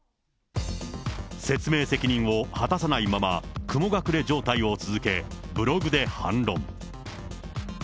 説明責任を果たさないまま、雲隠れ状態を続け、ブログで反論。